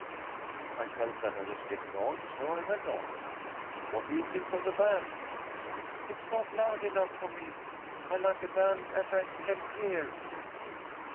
I felt that I was getting on so I went on. "What do you think of the band?" "It's not loud enough for me. I like a band as I can hear."